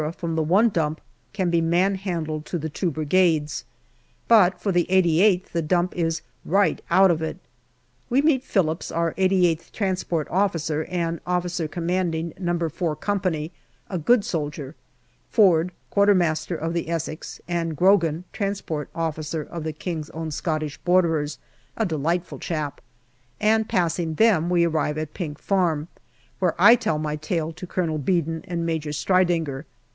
from the one dump can be man handled to the two Brigades. But for the 88th, the dump is right out of it. We meet Phillips, our 88th Transport Officer and O.C. APRIL 55 No. 4 Company, a good soldier ; Ford, Q.M. of the Essex ; and Grogan, Transport Officer of the K.O.S.B.'s, a delight ful chap ; and passing them we arrive at Pink Farm, where I tell my tale to Colonel Beadon and Major Streidinger.